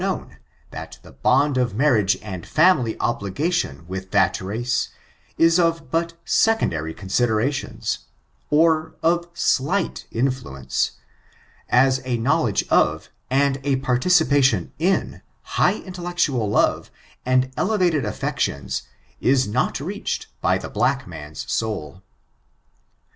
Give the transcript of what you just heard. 38a known that the bond of marriage and family obliga tion with that race, is of but secondary considerations, or of slight influence, as a knowledge o/*, and a par ticipation in, high intellectual love and elevated affec tions, is not reached by the black man's soul.